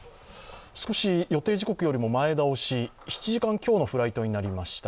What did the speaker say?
少し予定時刻よりも前倒し、７時間強のフライトとなりました。